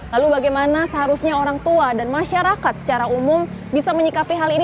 lalu bagaimana seharusnya orang tua dan masyarakat secara umum bisa menyikapi hal ini